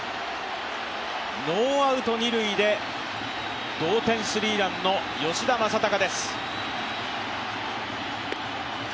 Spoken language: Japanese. ノーアウト二塁で同点スリーランの吉田正尚です。